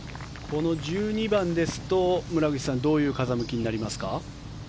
この１２番ですと村口さんどういう風向きになりますか？